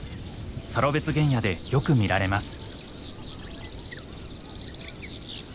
サロベツ原野でよく見られます。